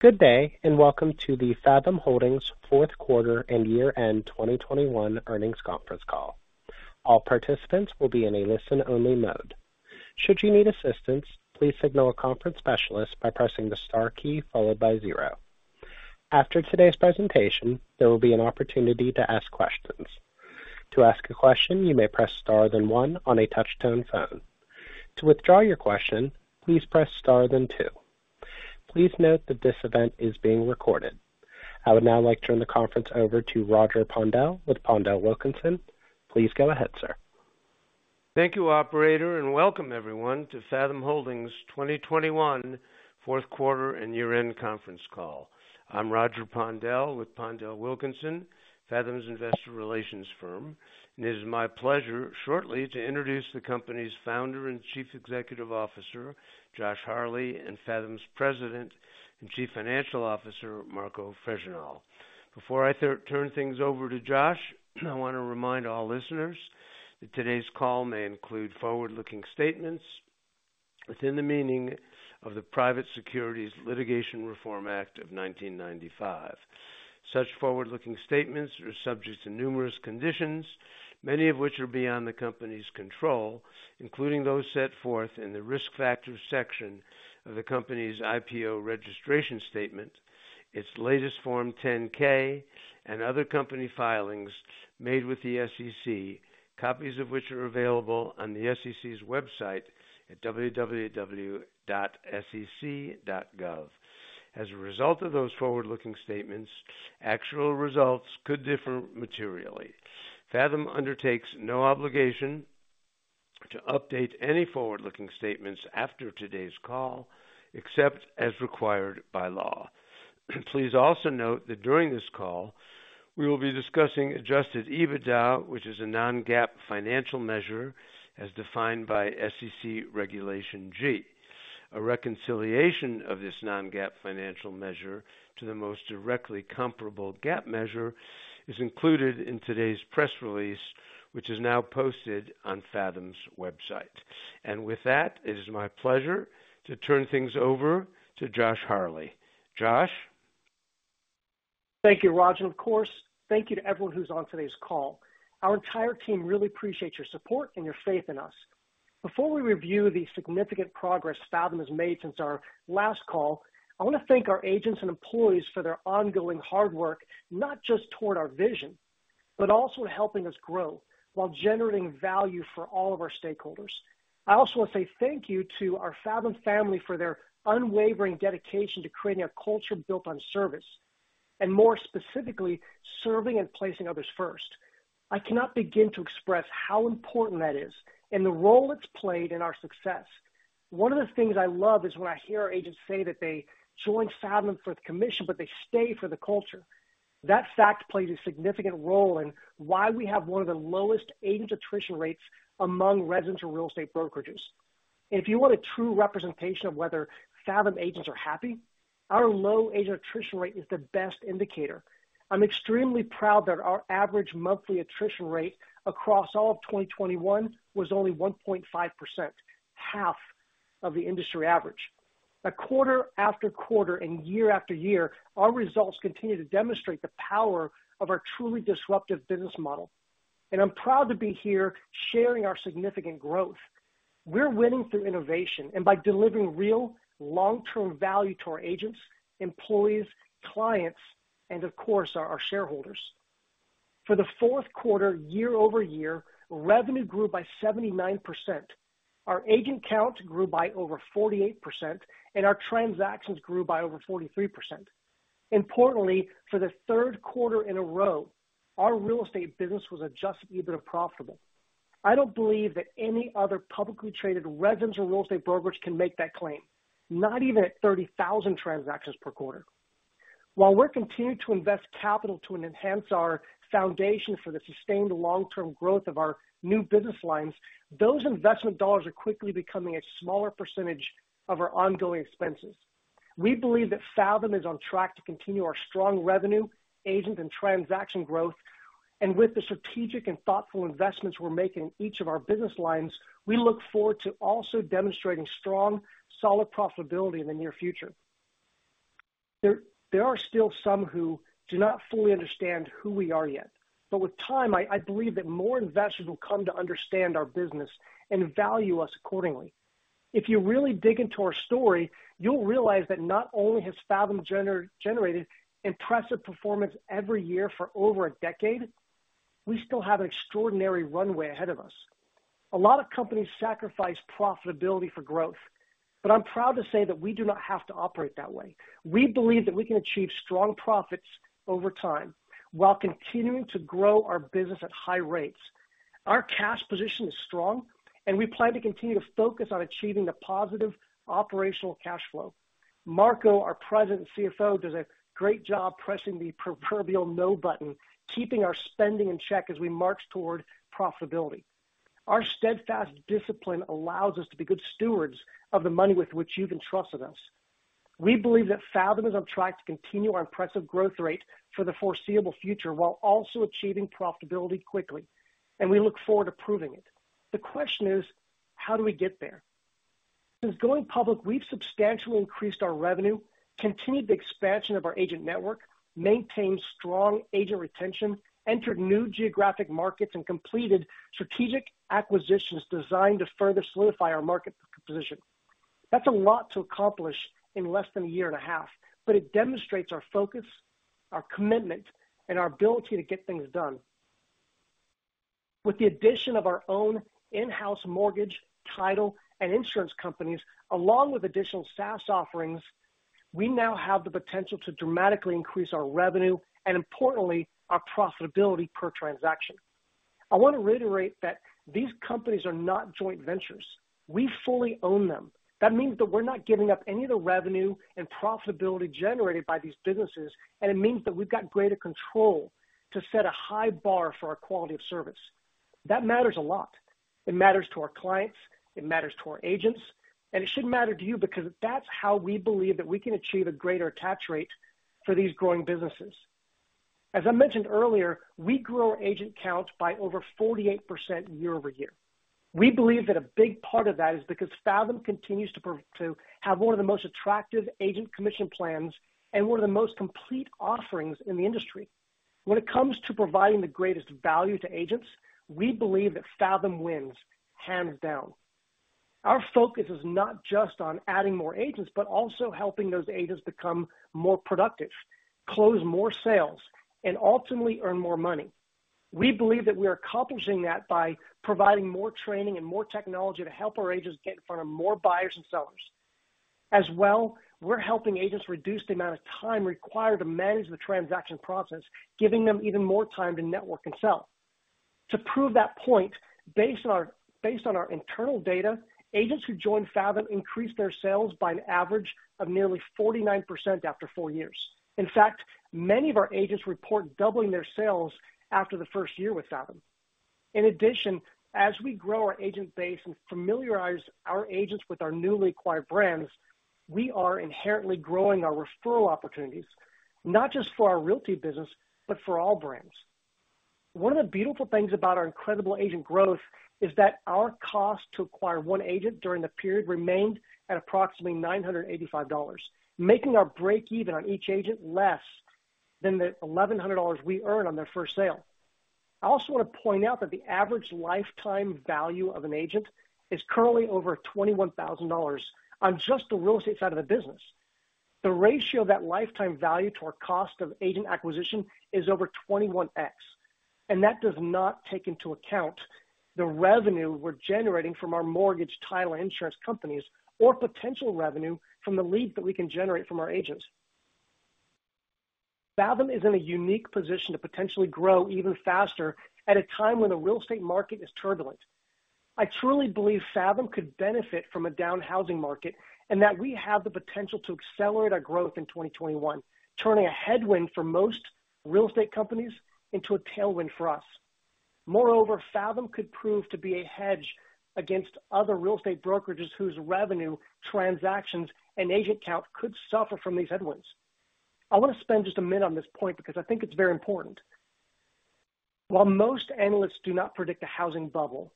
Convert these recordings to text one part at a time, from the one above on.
Good day, and welcome to the Fathom Holdings Fourth Quarter and Year-end 2021 Earnings Conference Call. All participants will be in a listen-only mode. Should you need assistance, please signal a conference specialist by pressing the star key followed by zero. After today's presentation, there will be an opportunity to ask questions. To ask a question, you may press star then one on a touch tone phone. To withdraw your question, please press star then two. Please note that this event is being recorded. I would now like to turn the conference over to Roger Pondel with PondelWilkinson. Please go ahead, sir. Thank you, operator, and welcome everyone to Fathom Holdings 2021 Fourth Quarter and Year-end Conference Call. I'm Roger Pondel with PondelWilkinson, Fathom's investor relations firm, and it is my pleasure shortly to introduce the company's founder and Chief Executive Officer, Josh Harley, and Fathom's President and Chief Financial Officer, Marco Fregenal. Before I turn things over to Josh, I want to remind all listeners that today's call may include forward-looking statements within the meaning of the Private Securities Litigation Reform Act of 1995. Such forward-looking statements are subject to numerous conditions, many of which are beyond the company's control, including those set forth in the Risk Factors section of the company's IPO registration statement, its latest Form 10-K and other company filings made with the SEC, copies of which are available on the SEC's website at www.sec.gov. As a result of those forward-looking statements, actual results could differ materially. Fathom undertakes no obligation to update any forward-looking statements after today's call, except as required by law. Please also note that during this call, we will be discussing adjusted EBITDA, which is a non-GAAP financial measure as defined by SEC Regulation G. A reconciliation of this non-GAAP financial measure to the most directly comparable GAAP measure is included in today's press release, which is now posted on Fathom's website. With that, it is my pleasure to turn things over to Josh Harley. Josh? Thank you, Roger. Of course, thank you to everyone who's on today's call. Our entire team really appreciate your support and your faith in us. Before we review the significant progress Fathom has made since our last call, I want to thank our agents and employees for their ongoing hard work, not just toward our vision, but also in helping us grow while generating value for all of our stakeholders. I also want to say thank you to our Fathom family for their unwavering dedication to creating a culture built on service, and more specifically, serving and placing others first. I cannot begin to express how important that is and the role it's played in our success. One of the things I love is when I hear our agents say that they join Fathom for the commission, but they stay for the culture. That fact plays a significant role in why we have one of the lowest agent attrition rates among residential real estate brokerages. If you want a true representation of whether Fathom agents are happy, our low agent attrition rate is the best indicator. I'm extremely proud that our average monthly attrition rate across all of 2021 was only 1.5%, half of the industry average. Quarter after quarter and year after year, our results continue to demonstrate the power of our truly disruptive business model. I'm proud to be here sharing our significant growth. We're winning through innovation and by delivering real long-term value to our agents, employees, clients, and of course, our shareholders. For the fourth quarter, year-over-year, revenue grew by 79%. Our agent count grew by over 48%, and our transactions grew by over 43%. Importantly, for the third quarter in a row, our real estate business was adjusted EBITDA profitable. I don't believe that any other publicly traded residential real estate brokerage can make that claim, not even at 30,000 transactions per quarter. While we're continuing to invest capital to enhance our foundation for the sustained long-term growth of our new business lines, those investment dollars are quickly becoming a smaller percentage of our ongoing expenses. We believe that Fathom is on track to continue our strong revenue, agent, and transaction growth. With the strategic and thoughtful investments we're making in each of our business lines, we look forward to also demonstrating strong, solid profitability in the near future. There are still some who do not fully understand who we are yet, but with time, I believe that more investors will come to understand our business and value us accordingly. If you really dig into our story, you'll realize that not only has Fathom generated impressive performance every year for over a decade, we still have an extraordinary runway ahead of us. A lot of companies sacrifice profitability for growth, but I'm proud to say that we do not have to operate that way. We believe that we can achieve strong profits over time while continuing to grow our business at high rates. Our cash position is strong, and we plan to continue to focus on achieving a positive operational cash flow. Marco, our President and CFO, does a great job pressing the proverbial no button, keeping our spending in check as we march toward profitability. Our steadfast discipline allows us to be good stewards of the money with which you've entrusted us. We believe that Fathom is on track to continue our impressive growth rate for the foreseeable future while also achieving profitability quickly, and we look forward to proving it. The question is. How do we get there? Since going public, we've substantially increased our revenue, continued the expansion of our agent network, maintained strong agent retention, entered new geographic markets, and completed strategic acquisitions designed to further solidify our market position. That's a lot to accomplish in less than a year and a half, but it demonstrates our focus, our commitment, and our ability to get things done. With the addition of our own in-house mortgage, title, and insurance companies, along with additional SaaS offerings, we now have the potential to dramatically increase our revenue and importantly, our profitability per transaction. I want to reiterate that these companies are not joint ventures. We fully own them. That means that we're not giving up any of the revenue and profitability generated by these businesses, and it means that we've got greater control to set a high bar for our quality of service. That matters a lot. It matters to our clients, it matters to our agents, and it should matter to you because that's how we believe that we can achieve a greater attach rate for these growing businesses. As I mentioned earlier, we grew our agent count by over 48% year-over-year. We believe that a big part of that is because Fathom continues to have one of the most attractive agent commission plans and one of the most complete offerings in the industry. When it comes to providing the greatest value to agents, we believe that Fathom wins hands down. Our focus is not just on adding more agents, but also helping those agents become more productive, close more sales, and ultimately earn more money. We believe that we are accomplishing that by providing more training and more technology to help our agents get in front of more buyers and sellers. As well, we're helping agents reduce the amount of time required to manage the transaction process, giving them even more time to network and sell. To prove that point, based on our internal data, agents who join Fathom increase their sales by an average of nearly 49% after four years. In fact, many of our agents report doubling their sales after the first year with Fathom. In addition, as we grow our agent base and familiarize our agents with our newly acquired brands, we are inherently growing our referral opportunities, not just for our realty business, but for all brands. One of the beautiful things about our incredible agent growth is that our cost to acquire one agent during the period remained at approximately $985, making our break even on each agent less than the $1,100 we earn on their first sale. I also want to point out that the average lifetime value of an agent is currently over $21,000 on just the real estate side of the business. The ratio of that lifetime value to our cost of agent acquisition is over 21x, and that does not take into account the revenue we're generating from our mortgage, title, and insurance companies or potential revenue from the leads that we can generate from our agents. Fathom is in a unique position to potentially grow even faster at a time when the real estate market is turbulent. I truly believe Fathom could benefit from a down housing market, and that we have the potential to accelerate our growth in 2021, turning a headwind for most real estate companies into a tailwind for us. Moreover, Fathom could prove to be a hedge against other real estate brokerages whose revenue, transactions, and agent count could suffer from these headwinds. I want to spend just a minute on this point because I think it's very important. While most analysts do not predict a housing bubble,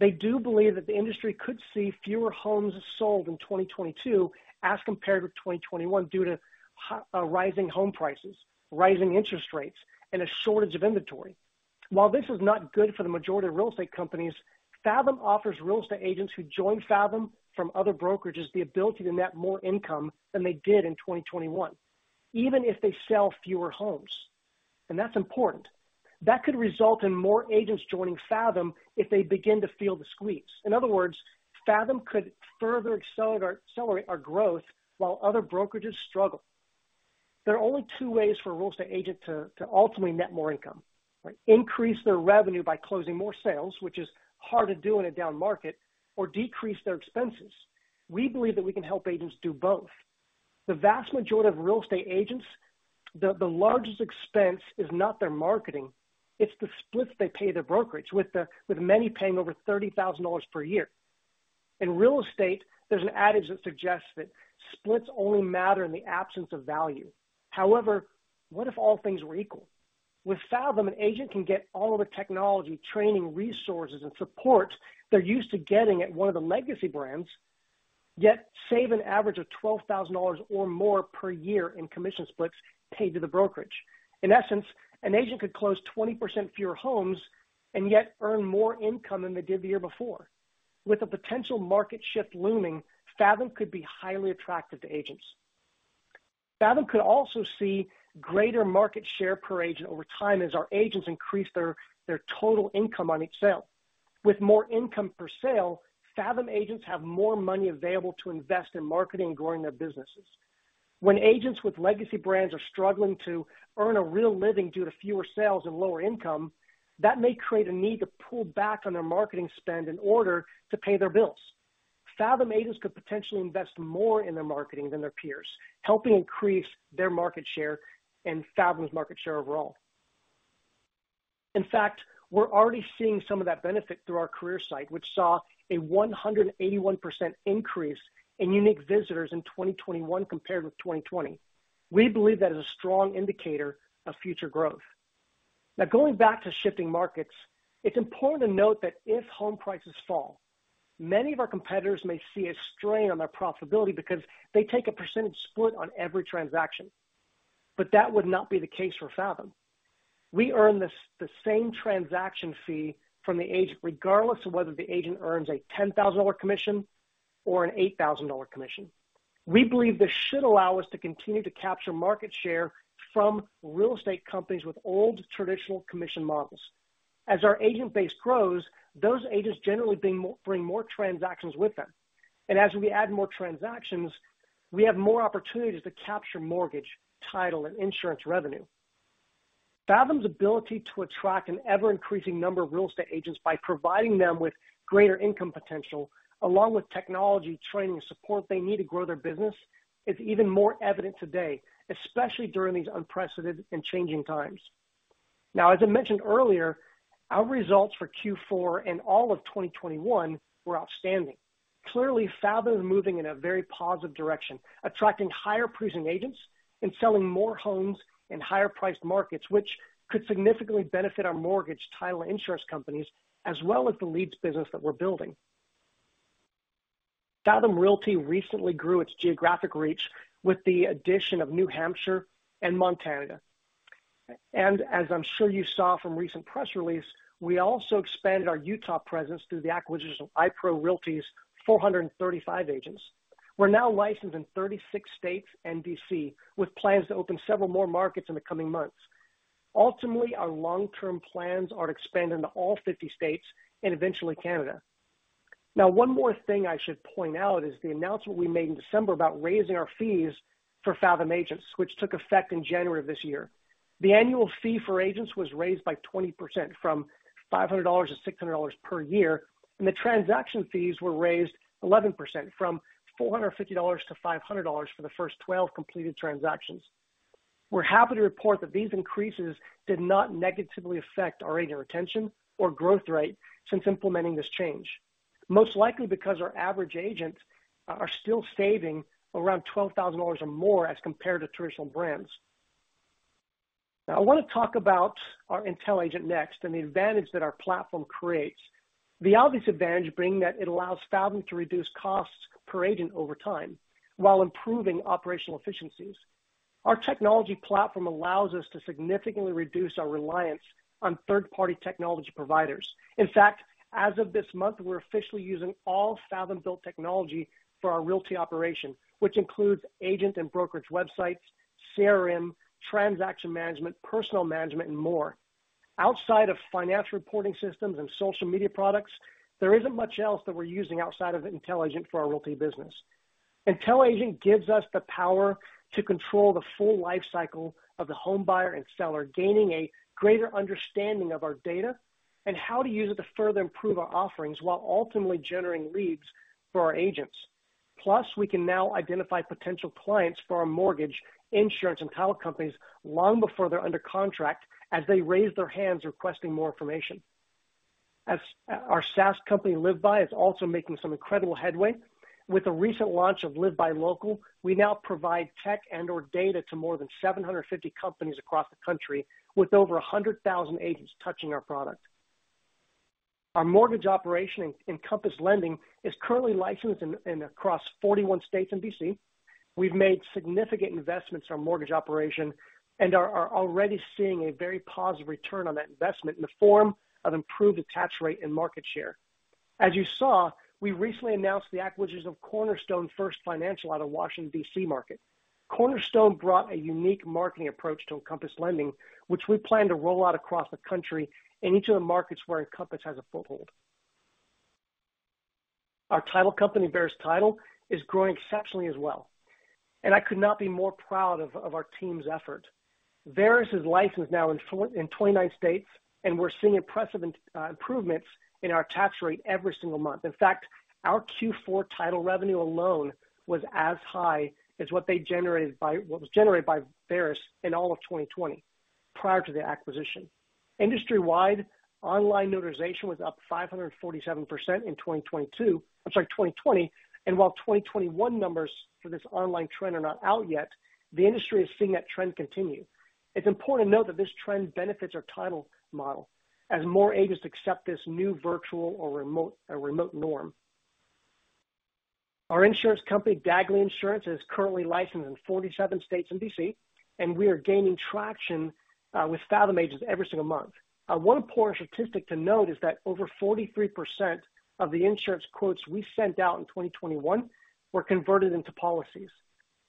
they do believe that the industry could see fewer homes sold in 2022 as compared with 2021 due to rising home prices, rising interest rates, and a shortage of inventory. While this is not good for the majority of real estate companies, Fathom offers real estate agents who join Fathom from other brokerages the ability to net more income than they did in 2021, even if they sell fewer homes. That's important. That could result in more agents joining Fathom if they begin to feel the squeeze. In other words, Fathom could further accelerate our growth while other brokerages struggle. There are only two ways for a real estate agent to ultimately net more income. Increase their revenue by closing more sales, which is hard to do in a down market, or decrease their expenses. We believe that we can help agents do both. The vast majority of real estate agents, the largest expense is not their marketing, it's the splits they pay their brokerage, with many paying over $30,000 per year. In real estate, there's an adage that suggests that splits only matter in the absence of value. However, what if all things were equal? With Fathom, an agent can get all of the technology, training, resources, and support they're used to getting at one of the legacy brands, yet save an average of $12,000 or more per year in commission splits paid to the brokerage. In essence, an agent could close 20% fewer homes and yet earn more income than they did the year before. With a potential market shift looming, Fathom could be highly attractive to agents. Fathom could also see greater market share per agent over time as our agents increase their total income on each sale. With more income per sale, Fathom agents have more money available to invest in marketing and growing their businesses. When agents with legacy brands are struggling to earn a real living due to fewer sales and lower income, that may create a need to pull back on their marketing spend in order to pay their bills. Fathom agents could potentially invest more in their marketing than their peers, helping increase their market share and Fathom's market share overall. In fact, we're already seeing some of that benefit through our career site, which saw a 181% increase in unique visitors in 2021 compared with 2020. We believe that is a strong indicator of future growth. Now going back to shifting markets, it's important to note that if home prices fall, many of our competitors may see a strain on their profitability because they take a percentage split on every transaction. But that would not be the case for Fathom. We earn the same transaction fee from the agent, regardless of whether the agent earns a $10,000 commission or an $8,000 commission. We believe this should allow us to continue to capture market share from real estate companies with old traditional commission models. As our agent base grows, those agents generally bring more transactions with them. as we add more transactions, we have more opportunities to capture mortgage, title, and insurance revenue. Fathom's ability to attract an ever-increasing number of real estate agents by providing them with greater income potential, along with technology training support they need to grow their business, is even more evident today, especially during these unprecedented and changing times. Now, as I mentioned earlier, our results for Q4 and all of 2021 were outstanding. Clearly, Fathom is moving in a very positive direction, attracting higher-producing agents and selling more homes in higher-priced markets, which could significantly benefit our mortgage title insurance companies, as well as the leads business that we're building. Fathom Realty recently grew its geographic reach with the addition of New Hampshire and Montana. As I'm sure you saw from recent press release, we also expanded our Utah presence through the acquisition of iPro Realty's 435 agents. We're now licensed in 36 states and DC, with plans to open several more markets in the coming months. Ultimately, our long-term plans are to expand into all 50 states and eventually Canada. Now, one more thing I should point out is the announcement we made in December about raising our fees for Fathom agents, which took effect in January of this year. The annual fee for agents was raised by 20% from $500-$600 per year, and the transaction fees were raised 11% from $450-$500 for the first 12 completed transactions. We're happy to report that these increases did not negatively affect our agent retention or growth rate since implementing this change, most likely because our average agents are still saving around $12,000 or more as compared to traditional brands. Now, I want to talk about our intelliAgent next and the advantage that our platform creates. The obvious advantage being that it allows Fathom to reduce costs per agent over time while improving operational efficiencies. Our technology platform allows us to significantly reduce our reliance on third-party technology providers. In fact, as of this month, we're officially using all Fathom-built technology for our realty operation, which includes agent and brokerage websites, CRM, transaction management, personnel management, and more. Outside of financial reporting systems and social media products, there isn't much else that we're using outside of intelliAgent for our realty business. intelliAgent gives us the power to control the full life cycle of the home buyer and seller, gaining a greater understanding of our data and how to use it to further improve our offerings while ultimately generating leads for our agents. Plus, we can now identify potential clients for our mortgage, insurance, and title companies long before they're under contract as they raise their hands requesting more information. Our SaaS company, LiveBy, is also making some incredible headway. With the recent launch of LiveBy Local, we now provide tech and/or data to more than 750 companies across the country with over 100,000 agents touching our product. Our mortgage operation, Encompass Lending, is currently licensed across 41 states and DC We've made significant investments in our mortgage operation and are already seeing a very positive return on that investment in the form of improved attach rate and market share. As you saw, we recently announced the acquisition of Cornerstone First Financial out of Washington, DC market. Cornerstone brought a unique marketing approach to Encompass Lending, which we plan to roll out across the country in each of the markets where Encompass has a foothold. Our title company, Verus Title, is growing exceptionally as well, and I could not be more proud of our team's effort. Verus is licensed now in 29 states, and we're seeing impressive improvements in our attach rate every single month. In fact, our Q4 title revenue alone was as high as what was generated by Verus in all of 2020 prior to the acquisition. Industry-wide online notarization was up 547% in 2020. I'm sorry, 2020. While 2021 numbers for this online trend are not out yet, the industry is seeing that trend continue. It's important to note that this trend benefits our title model as more agents accept this new virtual or remote norm. Our insurance company, Dagley Insurance, is currently licensed in 47 states and DC, and we are gaining traction with Fathom agents every single month. One important statistic to note is that over 43% of the insurance quotes we sent out in 2021 were converted into policies.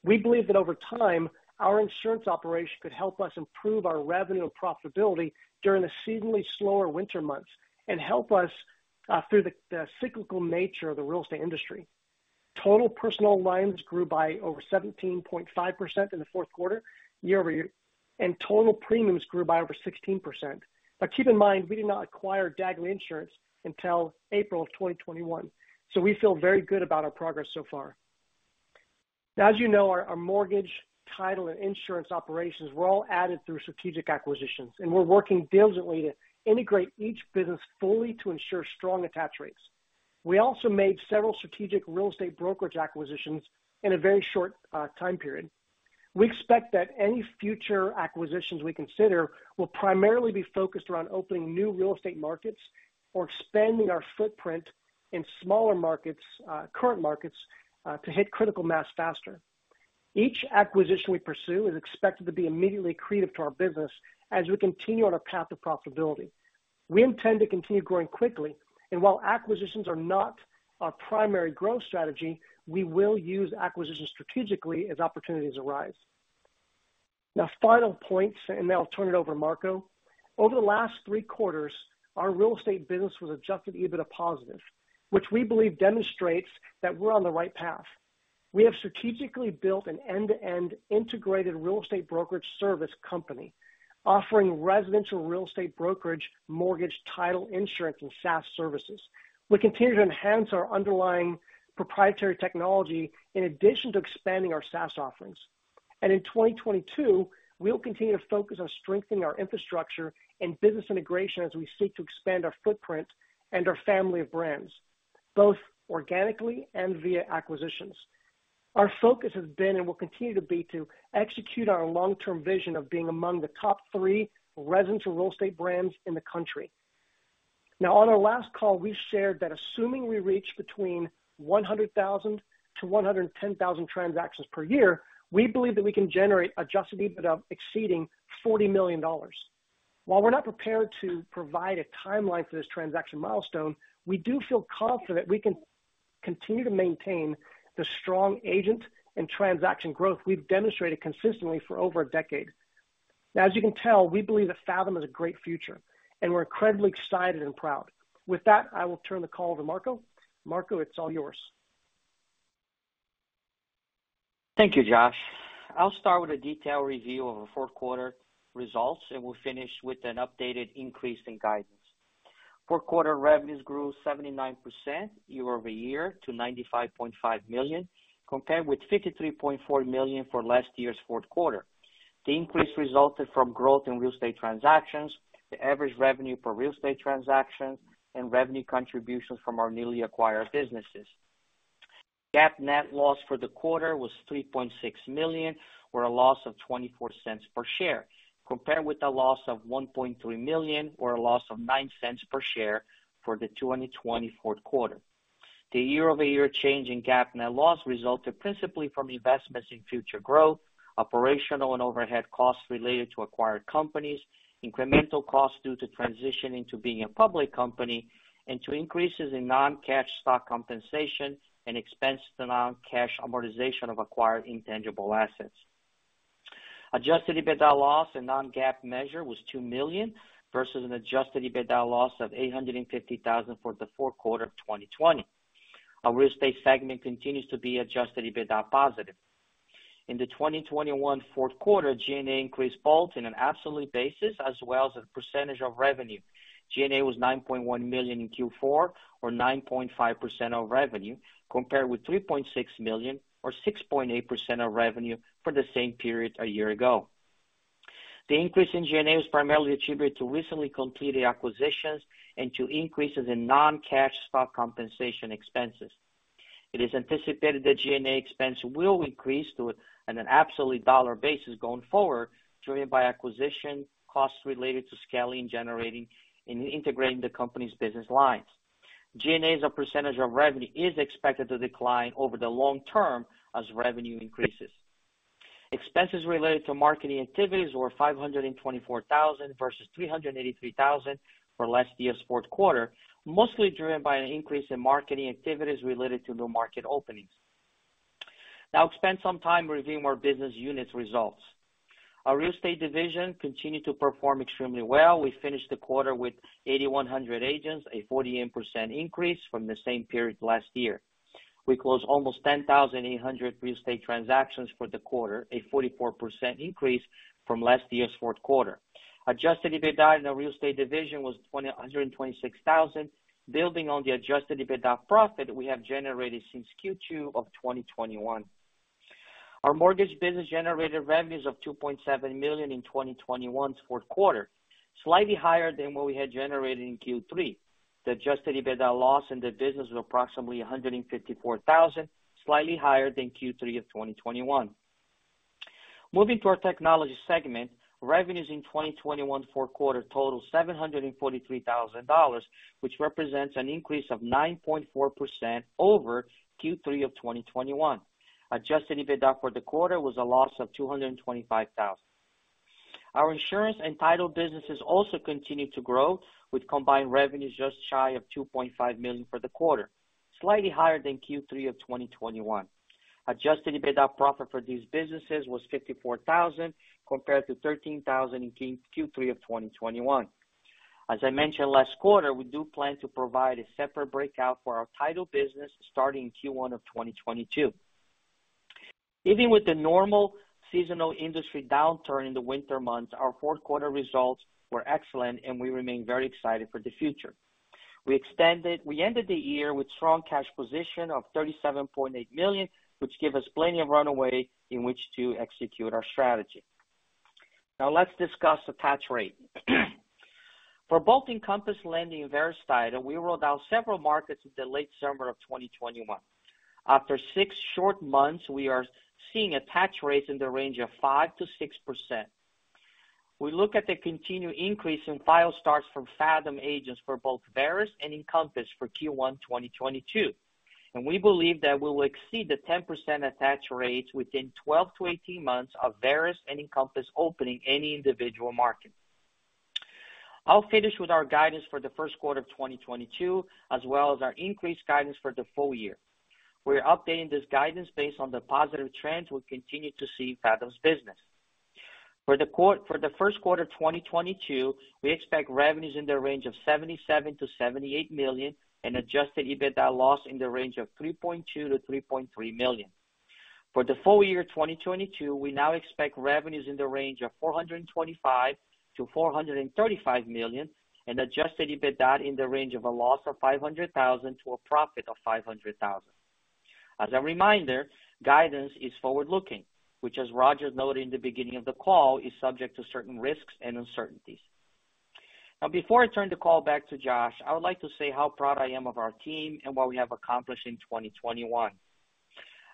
We believe that over time, our insurance operation could help us improve our revenue and profitability during the seasonally slower winter months and help us through the cyclical nature of the real estate industry. Total personal lines grew by over 17.5% in the fourth quarter year-over-year, and total premiums grew by over 16%. Keep in mind, we did not acquire Dagley Insurance until April 2021, so we feel very good about our progress so far. Now, as you know, our mortgage, title, and insurance operations were all added through strategic acquisitions, and we're working diligently to integrate each business fully to ensure strong attach rates. We also made several strategic real estate brokerage acquisitions in a very short time period. We expect that any future acquisitions we consider will primarily be focused around opening new real estate markets or expanding our footprint in smaller markets, current markets, to hit critical mass faster. Each acquisition we pursue is expected to be immediately accretive to our business as we continue on our path to profitability. We intend to continue growing quickly, and while acquisitions are not our primary growth strategy, we will use acquisitions strategically as opportunities arise. Now, final points, and then I'll turn it over to Marco. Over the last three quarters, our real estate business was adjusted EBITDA positive, which we believe demonstrates that we're on the right path. We have strategically built an end-to-end integrated real estate brokerage service company offering residential real estate brokerage, mortgage, title, insurance, and SaaS services. We continue to enhance our underlying proprietary technology in addition to expanding our SaaS offerings. In 2022, we'll continue to focus on strengthening our infrastructure and business integration as we seek to expand our footprint and our family of brands, both organically and via acquisitions. Our focus has been, and will continue to be, to execute our long-term vision of being among the top three residential real estate brands in the country. Now, on our last call, we shared that assuming we reach between 100,000-110,000 transactions per year, we believe that we can generate adjusted EBITDA exceeding $40 million. While we're not prepared to provide a timeline for this transaction milestone, we do feel confident we can continue to maintain the strong agent and transaction growth we've demonstrated consistently for over a decade. Now, as you can tell, we believe that Fathom has a great future, and we're incredibly excited and proud. With that, I will turn the call to Marco. Marco, it's all yours. Thank you, Josh. I'll start with a detailed review of the fourth quarter results, and we'll finish with an updated increase in guidance. Fourth quarter revenues grew 79% year-over-year to $95.5 million, compared with $53.4 million for last year's fourth quarter. The increase resulted from growth in real estate transactions, the average revenue per real estate transaction, and revenue contributions from our newly acquired businesses. GAAP net loss for the quarter was $3.6 million, or a loss of $0.24 per share, compared with a loss of $1.3 million or a loss of $0.09 per share for the 2020 fourth quarter. The year-over-year change in GAAP net loss resulted principally from investments in future growth, operational and overhead costs related to acquired companies, incremental costs due to transitioning to being a public company, and increases in non-cash stock compensation expense to non-cash amortization of acquired intangible assets. Adjusted EBITDA loss, a non-GAAP measure, was $2 million versus an Adjusted EBITDA loss of $850,000 for the fourth quarter of 2020. Our real estate segment continues to be Adjusted EBITDA positive. In the 2021 fourth quarter, G&A increased both in an absolute basis as well as a percentage of revenue. G&A was $9.1 million in Q4 or 9.5% of revenue, compared with $3.6 million or 6.8% of revenue for the same period a year ago. The increase in G&A was primarily attributed to recently completed acquisitions and to increases in non-cash stock compensation expenses. It is anticipated that G&A expense will increase to an absolute dollar basis going forward, driven by acquisition costs related to scaling, generating, and integrating the company's business lines. G&A as a percentage of revenue is expected to decline over the long term as revenue increases. Expenses related to marketing activities were $524,000 versus $383,000 for last year's fourth quarter, mostly driven by an increase in marketing activities related to new market openings. Now I'll spend some time reviewing our business units results. Our real estate division continued to perform extremely well. We finished the quarter with 8,100 agents, a 48% increase from the same period last year. We closed almost 10,800 real estate transactions for the quarter, a 44% increase from last year's fourth quarter. Adjusted EBITDA in our real estate division was $126,000, building on the adjusted EBITDA profit we have generated since Q2 of 2021. Our mortgage business generated revenues of $2.7 million in 2021's fourth quarter, slightly higher than what we had generated in Q3. The adjusted EBITDA loss in the business was approximately $154,000, slightly higher than Q3 of 2021. Moving to our technology segment, revenues in 2021 fourth quarter totaled $743,000, which represents an increase of 9.4% over Q3 of 2021. Adjusted EBITDA for the quarter was a loss of $225,000. Our insurance and title businesses also continued to grow, with combined revenues just shy of $2.5 million for the quarter, slightly higher than Q3 of 2021. Adjusted EBITDA profit for these businesses was $54,000 compared to $13,000 in Q3 of 2021. As I mentioned last quarter, we do plan to provide a separate breakout for our title business starting Q1 of 2022. Even with the normal seasonal industry downturn in the winter months, our fourth quarter results were excellent, and we remain very excited for the future. We ended the year with strong cash position of $37.8 million, which give us plenty of runway in which to execute our strategy. Now let's discuss attach rate. For both Encompass Lending and Verus Title, we rolled out several markets in the late summer of 2021. After six short months, we are seeing attach rates in the range of 5%-6%. We look at the continued increase in file starts from Fathom agents for both Verus and Encompass for Q1 2022, and we believe that we will exceed the 10% attach rates within 12-18 months of Verus and Encompass opening any individual market. I'll finish with our guidance for the first quarter of 2022, as well as our increased guidance for the full year. We're updating this guidance based on the positive trends we continue to see in Fathom's business. For the first quarter 2022, we expect revenues in the range of $77 million-$78 million and adjusted EBITDA loss in the range of $3.2 million-$3.3 million. For the full year 2022, we now expect revenues in the range of $425 million-$435 million and adjusted EBITDA in the range of a loss of $500,000 to a profit of $500,000. As a reminder, guidance is forward-looking, which, as Roger noted in the beginning of the call, is subject to certain risks and uncertainties. Now before I turn the call back to Josh, I would like to say how proud I am of our team and what we have accomplished in 2021.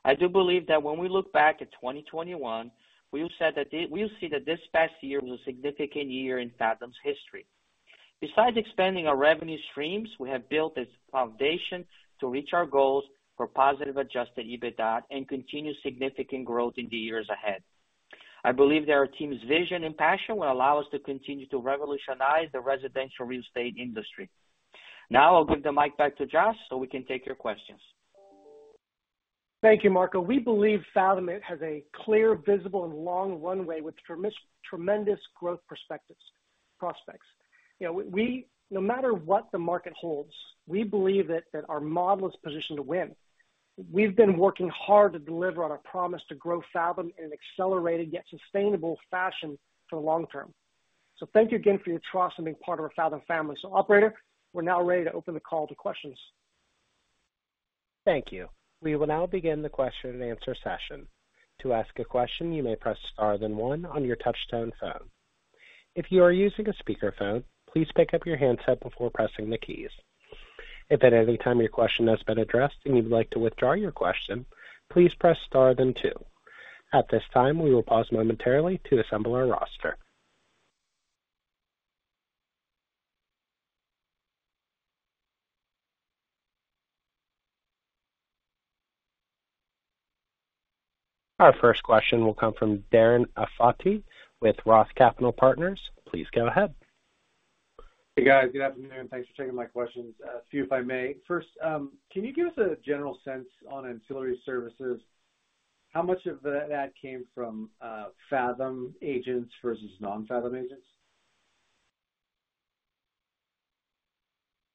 I do believe that when we look back at 2021, we will see that this past year was a significant year in Fathom's history. Besides expanding our revenue streams, we have built its foundation to reach our goals for positive Adjusted EBITDA and continue significant growth in the years ahead. I believe that our team's vision and passion will allow us to continue to revolutionize the residential real estate industry. Now I'll give the mic back to Josh so we can take your questions. Thank you, Marco. We believe Fathom has a clear, visible and long runway with tremendous growth prospects. You know, we no matter what the market holds, we believe that our model is positioned to win. We've been working hard to deliver on our promise to grow Fathom in an accelerated yet sustainable fashion for the long term. Thank you again for your trust in being part of our Fathom family. Operator, we're now ready to open the call to questions. Thank you. We will now begin the question and answer session. To ask a question, you may press star then one on your touchtone phone. If you are using a speakerphone, please pick up your handset before pressing the keys. If at any time your question has been addressed and you'd like to withdraw your question, please press star then two. At this time, we will pause momentarily to assemble our roster. Our first question will come from Darren Aftahi with ROTH Capital Partners. Please go ahead. Hey, guys. Good afternoon. Thanks for taking my questions. A few if I may. First, can you give us a general sense on ancillary services? How much of that came from, Fathom agents versus non-Fathom agents?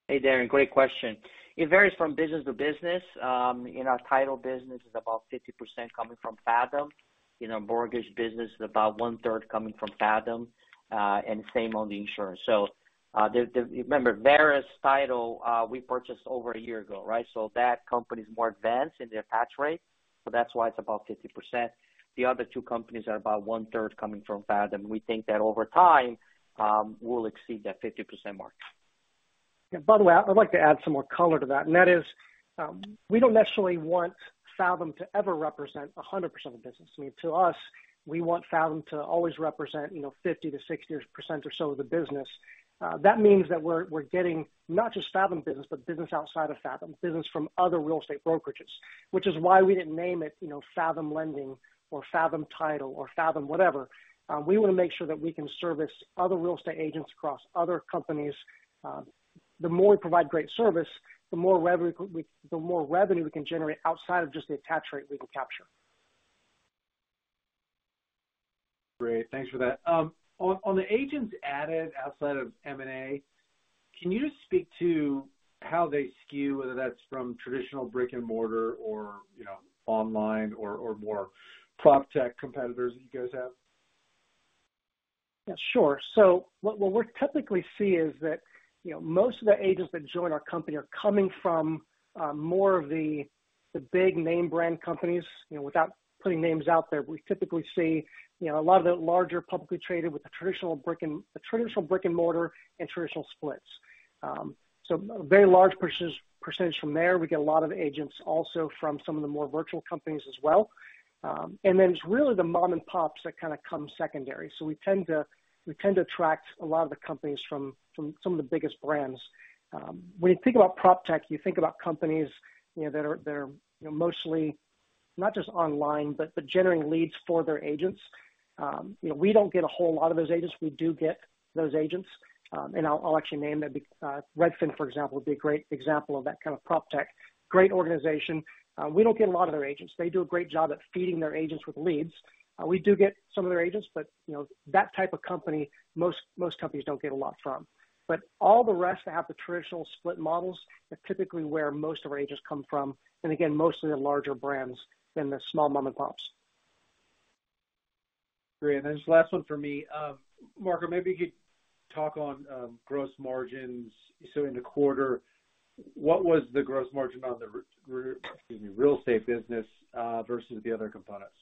Hey, Darrin, great question. It varies from business to business. You know, title business is about 50% coming from Fathom. You know, mortgage business is about 1/3 coming from Fathom, and same on the insurance. Remember, Verus Title, we purchased over a year ago, right? So that company is more advanced in their attach rate, so that's why it's about 50%. The other two companies are about 1/3 coming from Fathom. We think that over time, we'll exceed that 50% mark. Yeah, by the way, I'd like to add some more color to that. That is, we don't necessarily want Fathom to ever represent 100% of the business. I mean, to us, we want Fathom to always represent, you know, 50%-60% or so of the business. That means that we're getting not just Fathom business, but business outside of Fathom, business from other real estate brokerages. Which is why we didn't name it, you know, Fathom Lending or Fathom Title or Fathom whatever. We want to make sure that we can service other real estate agents across other companies. The more we provide great service, the more revenue we can generate outside of just the attach rate we can capture. Great. Thanks for that. On the agents added outside of M&A, can you just speak to how they skew, whether that's from traditional brick-and-mortar or, you know, online or more proptech competitors that you guys have? Yeah, sure. What we typically see is that, you know, most of the agents that join our company are coming from more of the big name brand companies. You know, without putting names out there, we typically see, you know, a lot of the larger publicly traded with the traditional brick-and-mortar and traditional splits. A very large percentage from there. We get a lot of agents also from some of the more virtual companies as well. Then it's really the mom and pops that kind of come secondary. We tend to attract a lot of the companies from some of the biggest brands. When you think about proptech, you think about companies, you know, that are mostly not just online, but generating leads for their agents. You know, we don't get a whole lot of those agents. We do get those agents. I'll actually name them. Redfin, for example, would be a great example of that kind of proptech. Great organization. We don't get a lot of their agents. They do a great job at feeding their agents with leads. We do get some of their agents, but you know, that type of company, most companies don't get a lot from. All the rest that have the traditional split models are typically where most of our agents come from, and again, mostly the larger brands than the small mom and pops. Great. This is the last one for me. Marco, maybe you could talk on gross margins. In the quarter, what was the gross margin on the real estate business versus the other components?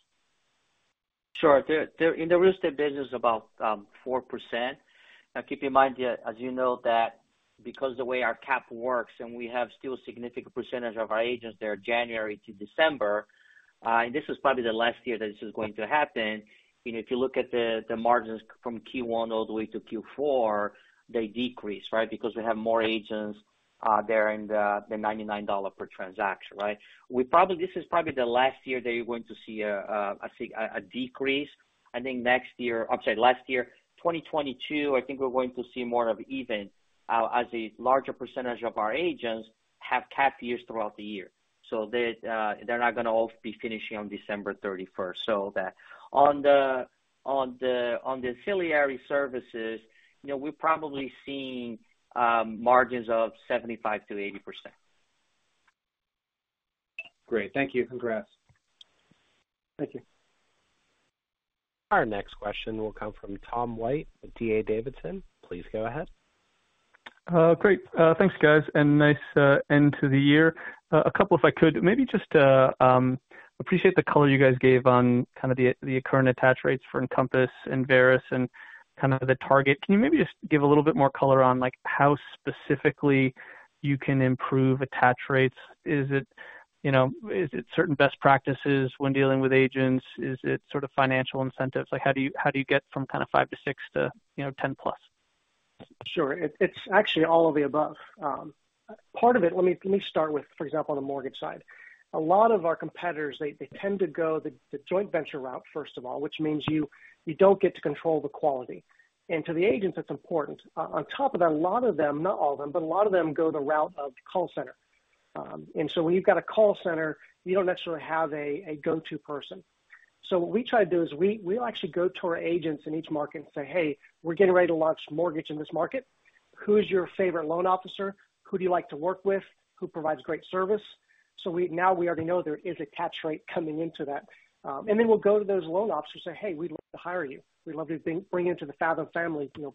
Sure. In the real estate business, about 4%. Now, keep in mind, yeah, as you know that because the way our cap works, and we have still a significant percentage of our agents, they're January to December. This is probably the last year that this is going to happen. You know, if you look at the margins from Q1 all the way to Q4, they decrease, right? Because we have more agents there in the $99 per transaction, right? This is probably the last year that you're going to see a, I think, a decrease. I think last year. 2022, I think we're going to see more even as a larger percentage of our agents have capped years throughout the year, so they're not gonna all be finishing on December 31st. On the ancillary services, you know, we're probably seeing margins of 75%-80%. Great. Thank you. Congrats. Thank you. Our next question will come from Tom White with D.A. Davidson. Please go ahead. Great. Thanks, guys. Nice end to the year. A couple if I could. Maybe just to appreciate the color you guys gave on kind of the current attach rates for Encompass and Verus and kind of the target. Can you maybe just give a little bit more color on, like, how specifically you can improve attach rates? Is it, you know, is it certain best practices when dealing with agents? Is it sort of financial incentives? Like how do you get from kind of 5%-6% to, you know, 10%+? Sure. It's actually all of the above. Part of it. Let me start with, for example, on the mortgage side. A lot of our competitors, they tend to go the joint venture route first of all, which means you don't get to control the quality. To the agents, that's important. On top of that, a lot of them, not all of them, but a lot of them go the route of call center. When you've got a call center, you don't necessarily have a go-to person. What we try to do is we'll actually go to our agents in each market and say, "Hey, we're getting ready to launch mortgage in this market. Who's your favorite loan officer? Who do you like to work with? Who provides great service?" Now we already know there is attach rate coming into that. Then we'll go to those loan officers and say, "Hey, we'd love to hire you. We'd love you to bring into the Fathom family, you know,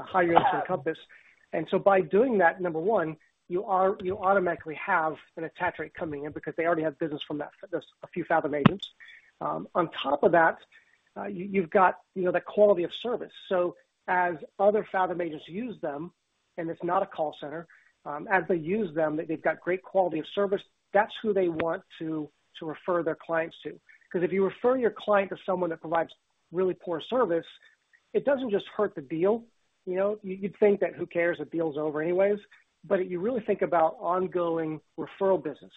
hire you into Encompass." By doing that, number one, you automatically have an attach rate coming in because they already have business from that, a few Fathom agents. On top of that, you've got, you know, the quality of service. As other Fathom agents use them, and it's not a call center, as they use them, they've got great quality of service, that's who they want to refer their clients to. 'Cause if you refer your client to someone that provides really poor service, it doesn't just hurt the deal. You know, you'd think that who cares, the deal is over anyways. You really think about ongoing referral business.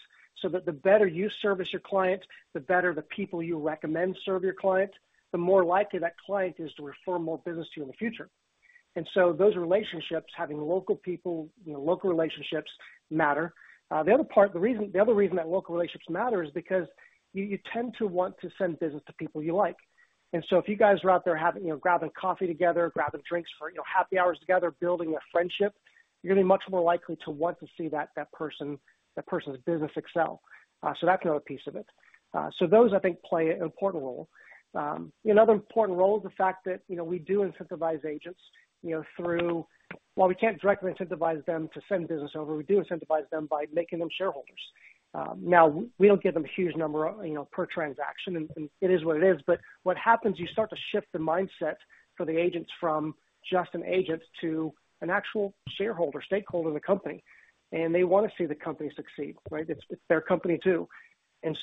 That the better you service your client, the better the people you recommend serve your client, the more likely that client is to refer more business to you in the future. Those relationships, having local people, you know, local relationships matter. The other reason that local relationships matter is because you tend to want to send business to people you like. If you guys are out there having, you know, grabbing coffee together, grabbing drinks for, you know, happy hours together, building a friendship, you're gonna be much more likely to want to see that person's business excel. That's another piece of it. Those, I think, play an important role. You know, another important role is the fact that, you know, we do incentivize agents, you know, through. While we can't directly incentivize them to send business over, we do incentivize them by making them shareholders. Now we don't give them a huge number of, you know, per transaction, and it is what it is. What happens, you start to shift the mindset for the agents from just an agent to an actual shareholder, stakeholder in the company. They wanna see the company succeed, right? It's their company too. You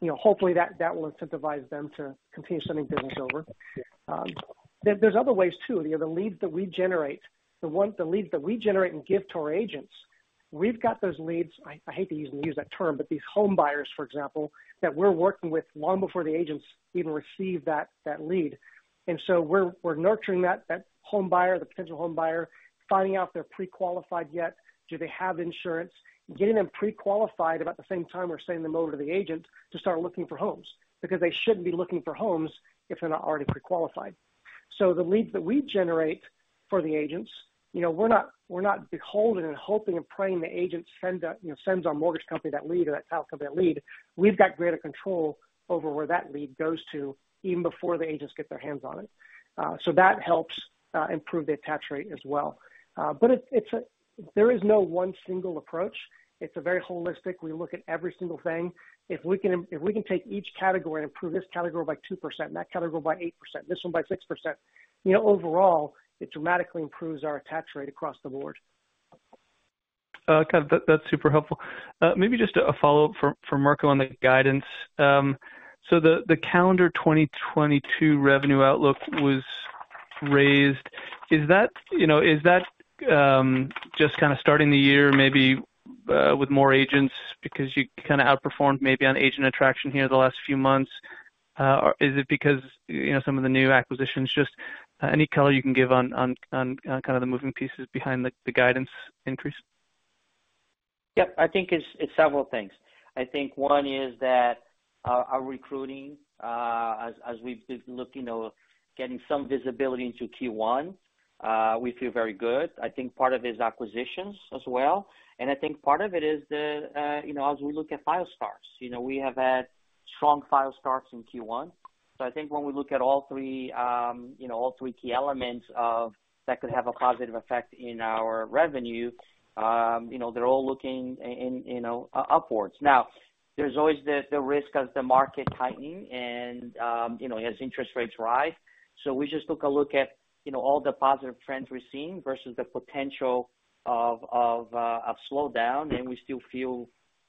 know, hopefully that will incentivize them to continue sending business over. There's other ways too. You know, the leads that we generate and give to our agents, we've got those leads. I hate to even use that term, but these home buyers, for example, that we're working with long before the agents even receive that lead. We're nurturing that home buyer, the potential home buyer, finding out if they're pre-qualified yet. Do they have insurance? We're getting them pre-qualified about the same time we're sending them over to the agent to start looking for homes. Because they shouldn't be looking for homes if they're not already pre-qualified. The leads that we generate for the agents, you know, we're not beholden and hoping and praying the agent send that, you know, sends our mortgage company that lead or that title company that lead. We've got greater control over where that lead goes to even before the agents get their hands on it. That helps improve the attach rate as well. There is no one single approach. It's a very holistic. We look at every single thing. If we can take each category and improve this category by 2%, that category by 8%, this one by 6%, you know, overall, it dramatically improves our attach rate across the board. Kind of that's super helpful. Maybe just a follow-up for Marco on the guidance. So the calendar 2022 revenue outlook was raised. Is that, you know, is that just kinda starting the year maybe with more agents because you kinda outperformed maybe on agent attraction here the last few months? Or is it because, you know, some of the new acquisitions? Just any color you can give on kind of the moving pieces behind the guidance increase. Yep. I think it's several things. I think one is that our recruiting, as we've been looking or getting some visibility into Q1, we feel very good. I think part of it is acquisitions as well. I think part of it is the, you know, as we look at file starts. You know, we have had strong file starts in Q1. I think when we look at all three, you know, all three key elements that could have a positive effect in our revenue, you know, they're all looking upwards. Now, there's always the risk of the market tightening and, you know, as interest rates rise. We just took a look at, you know, all the positive trends we're seeing versus the potential of a slowdown, and we still feel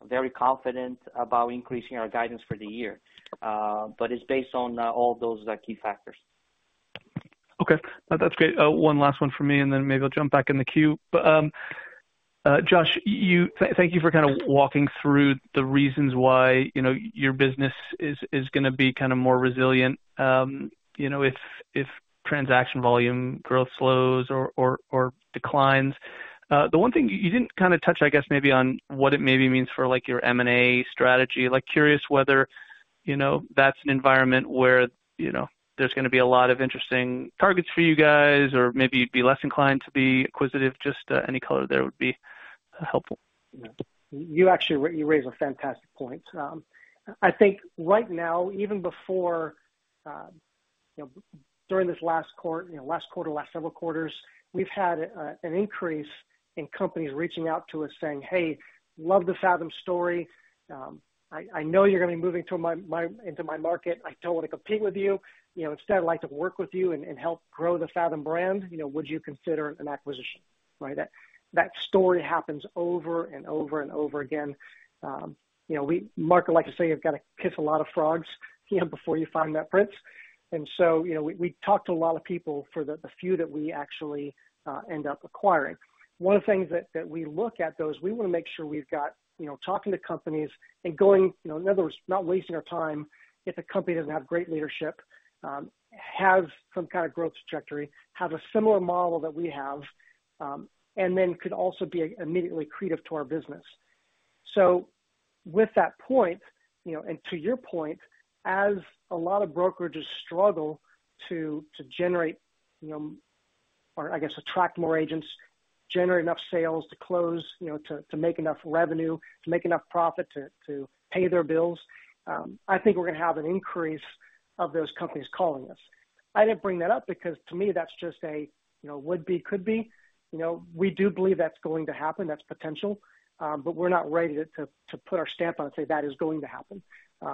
very confident about increasing our guidance for the year. It's based on all those key factors. Okay. No, that's great. One last one from me, and then maybe I'll jump back in the queue. Josh, thank you for kind of walking through the reasons why, you know, your business is gonna be kind of more resilient, you know, if transaction volume growth slows or declines. The one thing you didn't kind of touch, I guess, maybe on what it maybe means for like your M&A strategy? Like, curious whether, you know, that's an environment where, you know, there's gonna be a lot of interesting targets for you guys or maybe you'd be less inclined to be acquisitive. Just any color there would be helpful. You actually raise a fantastic point. I think right now, even before, you know, during this last quarter, last several quarters, we've had an increase in companies reaching out to us saying, "Hey, love the Fathom story. I know you're gonna be moving into my market. I don't wanna compete with you. You know, instead, I'd like to work with you and help grow the Fathom brand. You know, would you consider an acquisition?" Right? That story happens over and over and over again. You know, Marco like to say, "You've got to kiss a lot of frogs, you know, before you find that prince." You know, we talk to a lot of people for the few that we actually end up acquiring. One of the things that we look at, though, is we wanna make sure we've got, you know, talking to companies and going, you know, in other words, not wasting our time if a company doesn't have great leadership, have some kind of growth trajectory, have a similar model that we have, and then could also be immediately accretive to our business. With that point, you know, and to your point, as a lot of brokerages struggle to generate, you know, or I guess attract more agents, generate enough sales to close, you know, to make enough revenue, to make enough profit to pay their bills, I think we're gonna have an increase of those companies calling us. I didn't bring that up because to me, that's just, you know, would be, could be. You know, we do believe that's going to happen. That's potential. But we're not ready to put our stamp on and say that is going to happen,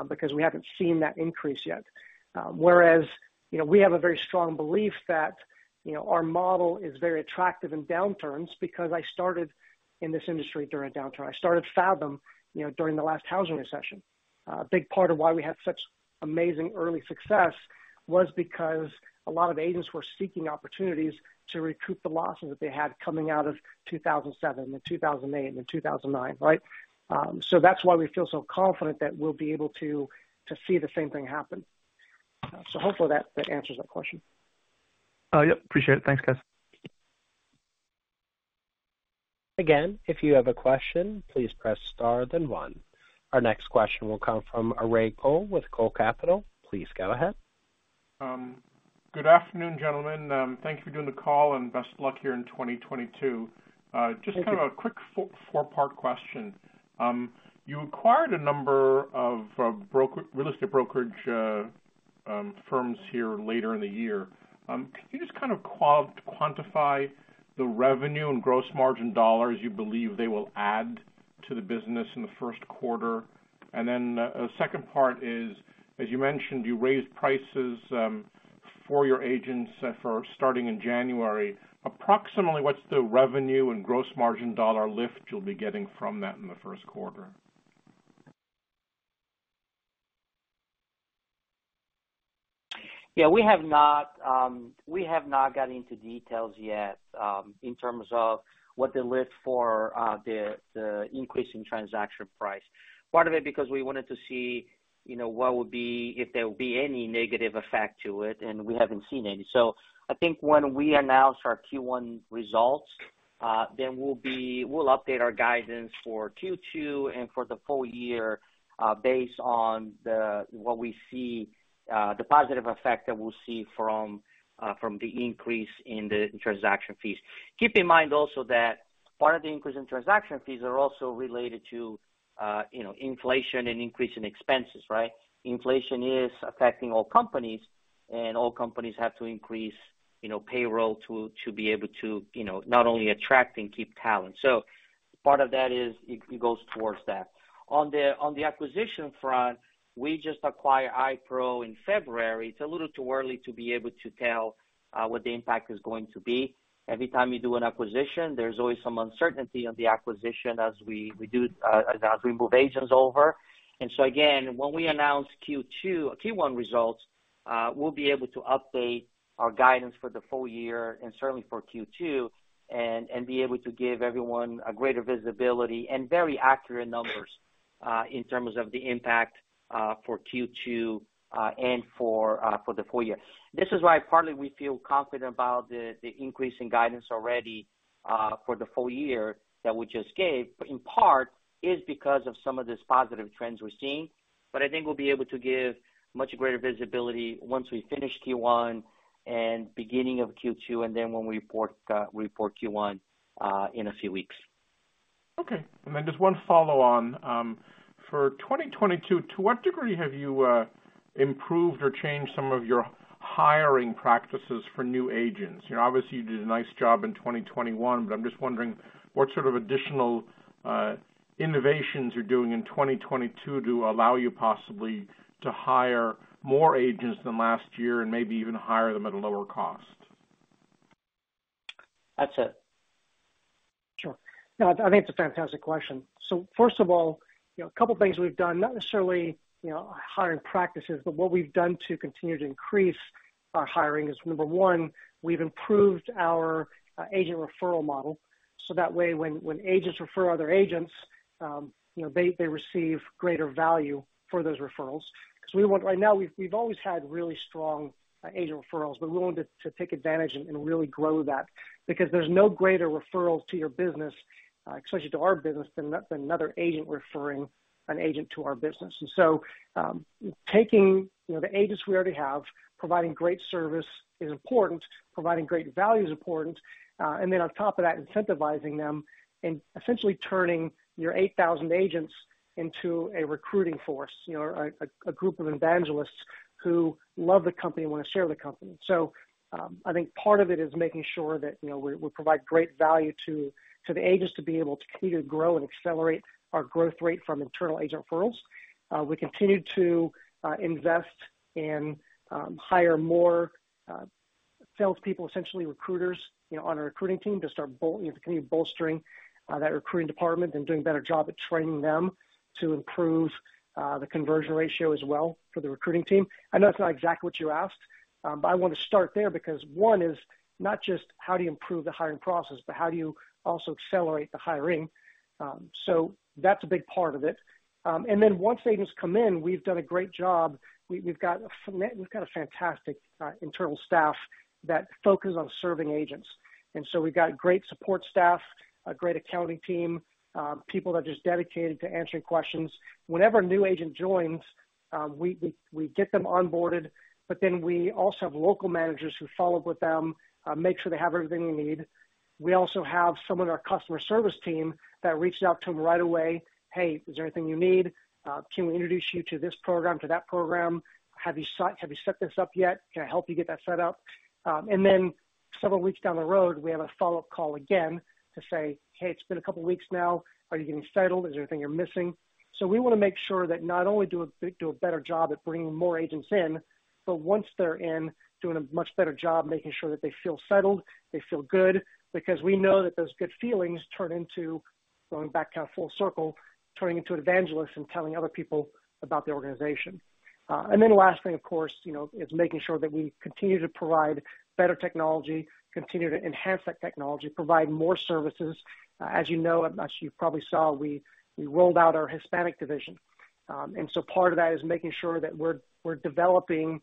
because we haven't seen that increase yet. Whereas, you know, we have a very strong belief that, you know, our model is very attractive in downturns because I started in this industry during a downturn. I started Fathom, you know, during the last housing recession. A big part of why we had such amazing early success was because a lot of agents were seeking opportunities to recoup the losses that they had coming out of 2007, and 2008, and 2009, right? That's why we feel so confident that we'll be able to see the same thing happen. Hopefully that answers that question. Yep. Appreciate it. Thanks, guys. Again, if you have a question, please press star then one. Our next question will come from Arie Cole with Cole Capital. Please go ahead. Good afternoon, gentlemen. Thank you for doing the call, and best of luck here in 2022. Thank you. Just kind of a quick four-part question. You acquired a number of real estate brokerage firms here later in the year. Can you just kind of quantify the revenue and gross margin dollars you believe they will add to the business in the first quarter? A second part is, as you mentioned, you raised prices for your agents for starting in January. Approximately what's the revenue and gross margin dollar lift you'll be getting from that in the first quarter? Yeah. We have not got into details yet in terms of what the lift for the increase in transaction price. Part of it because we wanted to see, you know, if there would be any negative effect to it, and we haven't seen any. I think when we announce our Q1 results, then we'll update our guidance for Q2 and for the full year based on what we see, the positive effect that we'll see from the increase in the transaction fees. Keep in mind also that part of the increase in transaction fees are also related to, you know, inflation and increase in expenses, right? Inflation is affecting all companies, and all companies have to increase, you know, payroll to be able to, you know, not only attract and keep talent. Part of that is it goes towards that. On the acquisition front, we just acquired iPro in February. It's a little too early to be able to tell what the impact is going to be. Every time you do an acquisition, there's always some uncertainty on the acquisition as we do as we move agents over. Again, when we announce Q1 results, we'll be able to update our guidance for the full year and certainly for Q2 and be able to give everyone a greater visibility and very accurate numbers in terms of the impact for Q2 and for the full year. This is why partly we feel confident about the increase in guidance already for the full year that we just gave, in part is because of some of these positive trends we're seeing. I think we'll be able to give much greater visibility once we finish Q1 and beginning of Q2, and then when we report Q1 in a few weeks. Okay. Just one follow-on. For 2022, to what degree have you improved or changed some of your hiring practices for new agents? You know, obviously, you did a nice job in 2021, but I'm just wondering what sort of additional innovations you're doing in 2022 to allow you possibly to hire more agents than last year and maybe even hire them at a lower cost? That's it. Sure. No, I think it's a fantastic question. First of all, you know, a couple things we've done, not necessarily, you know, hiring practices, but what we've done to continue to increase our hiring is, number one, we've improved our agent referral model. So that way, when agents refer other agents, you know, they receive greater value for those referrals 'cause we want right now we've always had really strong agent referrals, but we wanted to take advantage and really grow that because there's no greater referral to your business, especially to our business than another agent referring an agent to our business. Taking, you know, the agents we already have, providing great service is important, providing great value is important. On top of that, incentivizing them and essentially turning your 8,000 agents into a recruiting force. You know, a group of evangelists who love the company and wanna share the company. I think part of it is making sure that, you know, we provide great value to the agents to be able to continue to grow and accelerate our growth rate from internal agent referrals. We continue to invest and hire more salespeople, essentially recruiters, you know, on our recruiting team to continue bolstering that recruiting department and doing a better job at training them to improve the conversion ratio as well for the recruiting team. I know that's not exactly what you asked, but I wanna start there because one is not just how do you improve the hiring process, but how do you also accelerate the hiring. That's a big part of it. Once agents come in, we've done a great job. We've got a fantastic internal staff that focus on serving agents. We've got great support staff, a great accounting team, people that are just dedicated to answering questions. Whenever a new agent joins, we get them onboarded, but then we also have local managers who follow up with them, make sure they have everything they need. We also have some of our customer service team that reaches out to them right away. "Hey, is there anything you need? Can we introduce you to this program, to that program? Have you set this up yet? Can I help you get that set up?" And then several weeks down the road, we have a follow-up call again to say, "Hey, it's been a couple weeks now. Are you getting settled? Is there anything you're missing?" We wanna make sure that not only do a better job at bringing more agents in, but once they're in, doing a much better job, making sure that they feel settled, they feel good, because we know that those good feelings turn into, going back now full circle, turning into an evangelist and telling other people about the organization. And then the last thing of course, you know, is making sure that we continue to provide better technology, continue to enhance that technology, provide more services. As you know, as you probably saw, we rolled out our Hispanic division. Part of that is making sure that we're developing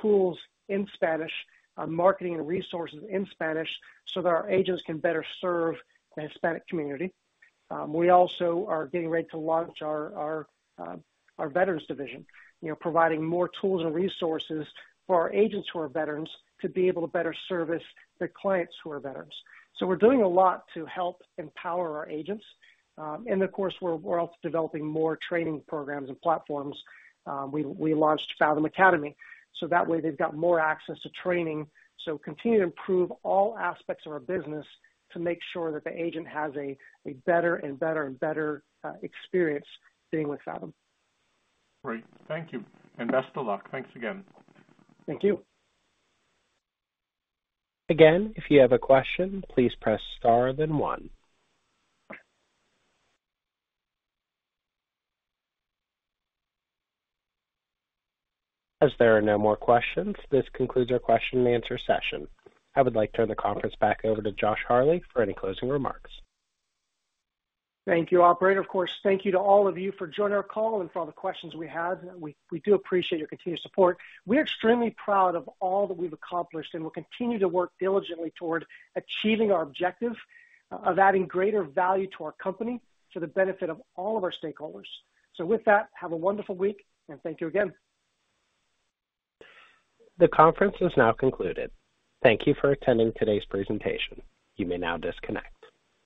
tools in Spanish, marketing and resources in Spanish so that our agents can better serve the Hispanic community. We also are getting ready to launch our veterans division, you know, providing more tools and resources for our agents who are veterans to be able to better service their clients who are veterans. We're doing a lot to help empower our agents. Of course, we're also developing more training programs and platforms. We launched Fathom Academy, so that way they've got more access to training. Continue to improve all aspects of our business to make sure that the agent has a better and better experience being with Fathom. Great. Thank you. Best of luck. Thanks again. Thank you. Again, if you have a question, please press star then one. As there are no more questions, this concludes our question and answer session. I would like to turn the conference back over to Josh Harley for any closing remarks. Thank you, operator. Of course, thank you to all of you for joining our call and for all the questions we had. We do appreciate your continued support. We're extremely proud of all that we've accomplished, and we'll continue to work diligently toward achieving our objective of adding greater value to our company for the benefit of all of our stakeholders. With that, have a wonderful week, and thank you again. The conference is now concluded. Thank you for attending today's presentation. You may now disconnect.